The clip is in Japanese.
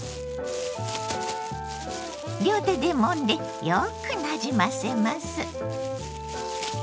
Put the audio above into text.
両手でもんでよくなじませます。